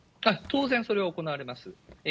当然、それは行われます。